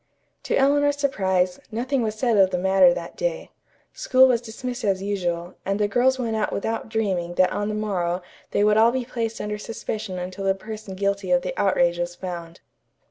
To Eleanor's surprise, nothing was said of the matter that day. School was dismissed as usual, and the girls went out without dreaming that on the morrow they would all be placed under suspicion until the person guilty of the outrage was found.